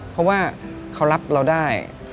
เพราะว่าเขารับเราได้